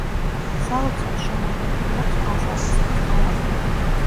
სალოცავს შემოვლებული აქვს ბაზალტის ქვის გალავანი.